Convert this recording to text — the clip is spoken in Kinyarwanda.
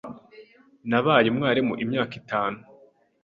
Nabaye umwarimu imyaka itanu.